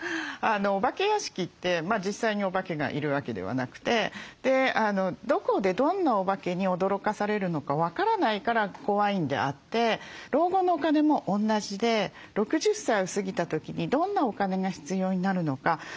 お化け屋敷って実際にお化けがいるわけではなくてどこでどんなお化けに驚かされるのか分からないから怖いんであって老後のお金も同じで６０歳を過ぎた時にどんなお金が必要になるのか。